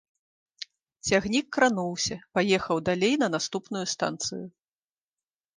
Цягнік крануўся, паехаў далей на наступную станцыю.